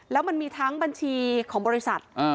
แล้วมันมีทั้งบัญชีของบริษัท